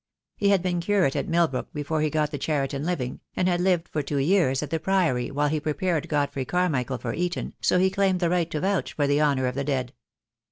He had been curate at Milbrook before he got the Cheriton living, and had lived for two years at the Priory while he prepared Godfrey Carmichael for Eton, so he claimed the right to vouch for the honour of the dead.